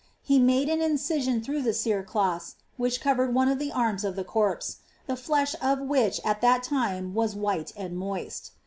He made an incision through the cerecloths which covered cm of the arms of the corpse, the flesh of which at that time was wbin and moist.'